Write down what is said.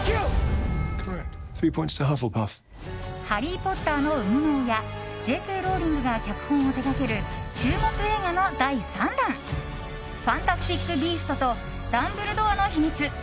「ハリー・ポッター」の生みの親Ｊ・Ｋ・ローリングが脚本を手掛ける注目映画の第３弾「ファンタスティック・ビーストとダンブルドアの秘密」